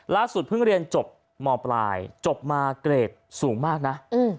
ลักษุฯเพิ่งเรียนมปลายจบมาเกรดสูงมากนะ